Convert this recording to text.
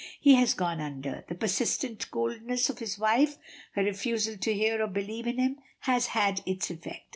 He has gone under. The persistent coldness of his wife, her refusal to hear, or believe in him, has had its effect.